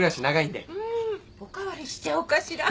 お代わりしちゃおうかしら。